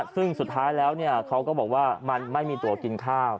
ซึ่งสุดท้ายแล้วเขาก็บอกว่ามันไม่มีตัวกินข้าว